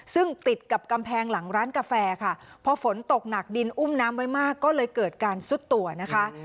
ซึ่งติดกับกำแพงหลังร้านกาแฟค่ะพอฝนตกหนักดินอุ้มน้ำไว้มากก็เลยเกิดการซุดตัวนะคะ